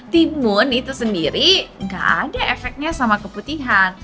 timun itu sendiri gak ada efeknya sama keputihan